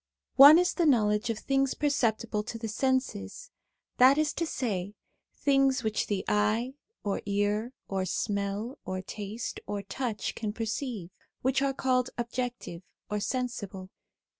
One is the knowledge of things perceptible to the senses that is to say, things which the eye, or ear, or smell, or taste, or touch can perceive, which are called objective or sensible.